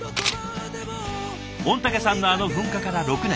御嶽山のあの噴火から６年。